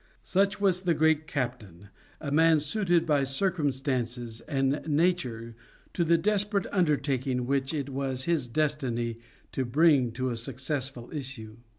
Such was the great captain, a man suited by circumstances and nature to the desperate undertaking which it was his destiny to bring to a successful issue.